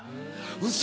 ウソ！